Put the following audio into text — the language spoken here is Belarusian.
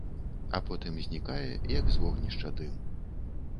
А потым знікае, як з вогнішча дым.